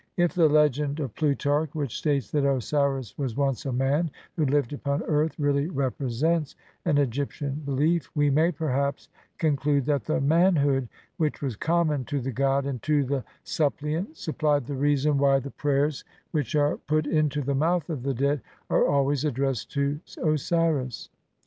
If the legend of Plutarch, which states that Osiris was once a man who lived upon earth, really represents an Egyptian belief we may, perhaps, conclude that the manhood which was common to the god and to the suppliant supplied the reason why the prayers which are put into the mouth of the dead are always addressed to Osiris.